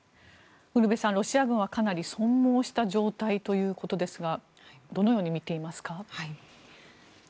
ウルヴェさん、ロシア軍はかなり損耗した状態ということですがどのように見ていますか？